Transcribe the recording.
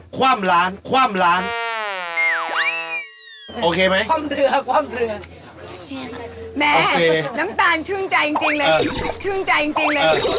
โอเคไหมคว่ำเรือแม่น้ำตาลชื่นใจจริงเลยชื่นใจจริงเลย